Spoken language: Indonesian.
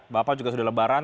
bapak juga sudah lebaran